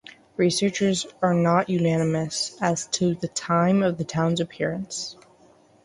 Researchers are not unanimous as to the time of the town's appearance.